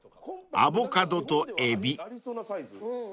アボカドとエビね。